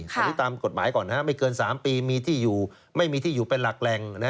สังวิตามกฎหมายก่อนไม่เกิน๓ปีไม่มีที่อยู่เป็นหลักแรง